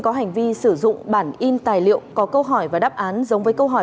có hành vi sử dụng bản in tài liệu có câu hỏi và đáp án giống với câu hỏi